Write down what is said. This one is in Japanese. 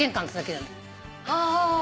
はあ。